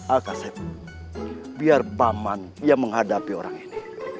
alkasib biar baman yang menghadapi orang ini